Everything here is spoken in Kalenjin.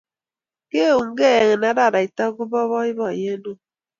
Keungei eng araraita ko po baiboiyet ne oo